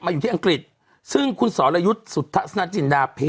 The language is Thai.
ลูกของคุณวิชัย